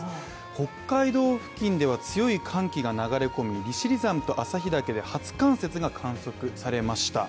北海道付近では強い寒気が流れ込み、利尻山と旭岳で初冠雪が観測されました。